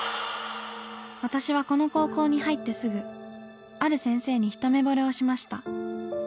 「私はこの高校に入ってすぐある先生にひとめぼれをしました。